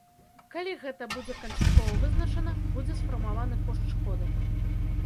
Калі гэта будзе канчаткова вызначана, будзе сфармаваны кошт шкоды.